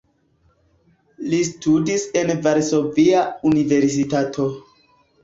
Li studis en Varsovia Universitato.